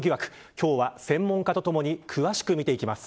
今日は、専門家と共に詳しく見ていきます。